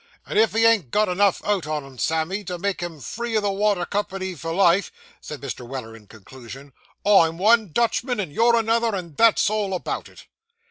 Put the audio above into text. And if he ain't got enough out on 'em, Sammy, to make him free of the water company for life,' said Mr. Weller, in conclusion, 'I'm one Dutchman, and you're another, and that's all about it.